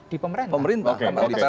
di pemerintah pemerintah di perpres ya